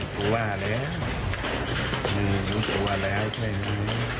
กูว่าแล้วมึงรู้ตัวแล้วใช่ไหม